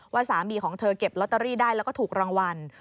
สามีของเธอเก็บลอตเตอรี่ได้แล้วก็ถูกรางวัล